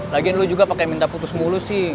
lagian lo juga pake minta pupus mulu sih